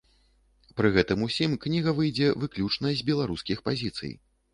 Пры гэтым усім кніга выйдзе выключна з беларускіх пазіцый.